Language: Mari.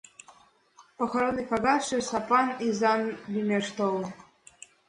— Похоронный кагазше Сапан изан лӱмеш толын.